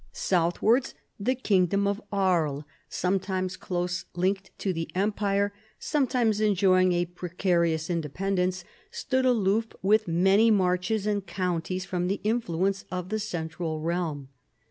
Southwards the kingdom of Aries, sometimes close linked to the Empire, sometimes enjoying a pre carious independence, stood aloof, with many marches and counties, from the influence of the central realm.